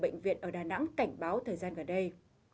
bệnh viện ở đà nẵng cảnh báo thời gian gần đây